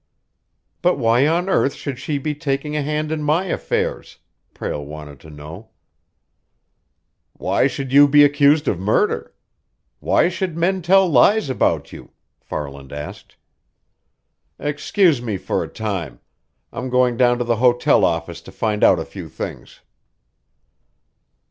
"But why on earth should she be taking a hand in my affairs?" Prale wanted to know. "Why should you be accused of murder? Why should men tell lies about you?" Farland asked. "Excuse me for a time; I'm going down to the hotel office to find out a few things."